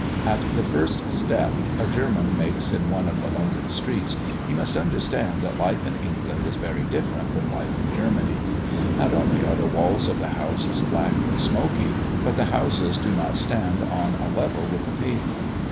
At the first step a German makes in one of the London streets, he must understand that life in England is very different from life in Germany. Not only are the walls of the houses black and smoky, but the houses do not stand on a level with the pavement.